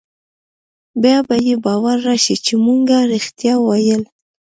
بيا به يې باور رايشي چې مونګه رښتيا ويل.